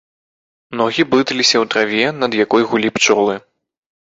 Ногі блыталіся ў траве, над якой гулі пчолы.